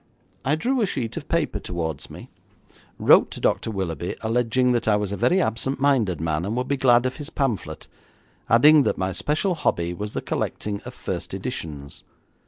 I drew a sheet of paper towards me, wrote to Dr. Willoughby alleging that I was a very absent minded man, and would be glad of his pamphlet, adding that my special hobby was the collecting of first editions.